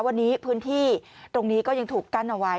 วันนี้พื้นที่ตรงนี้ก็ยังถูกกั้นเอาไว้